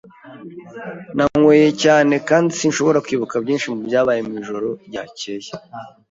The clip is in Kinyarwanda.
Nanyweye cyane kandi sinshobora kwibuka byinshi mubyabaye mwijoro ryakeye.